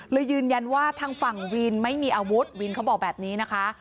ยืนยันว่าทางฝั่งวินไม่มีอาวุธวินเขาบอกแบบนี้นะคะ